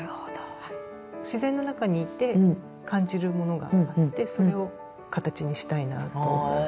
自然の中にいて感じるものがあってそれを形にしたいなと思って。